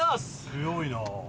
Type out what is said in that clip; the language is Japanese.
強いな。